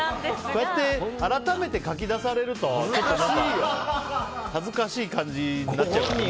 こうやって改めて書き出されるとちょっと何か恥ずかしい感じになっちゃうね。